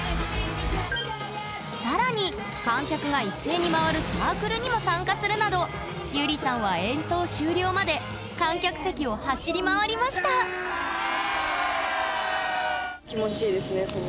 更に観客が一斉に回るサークルにも参加するなどゆりさんは演奏終了まで観客席を走り回りましたイエイ！